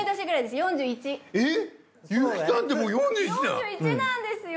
４１なんですよ。